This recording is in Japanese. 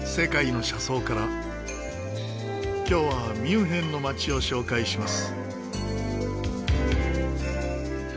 今日はミュンヘンの街を紹介します。